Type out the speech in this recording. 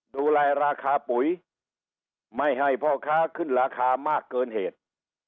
ดูแลราคาปุ๋ยไม่ให้พ่อค้าขึ้นราคามากเกินเหตุ